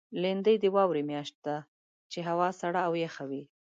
لېندۍ د واورې میاشت ده، چې هوا سړه او یخه وي.